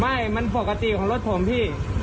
ไม่มันปกติของรถผมพี่